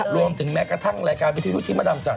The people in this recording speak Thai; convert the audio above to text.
รวมถึงแม้กระทั่งรายการวิทยุที่มาดำจัด